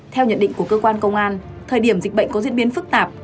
theo nhận định của cơ quan công an thời điểm dịch bệnh có diễn biến phức tạp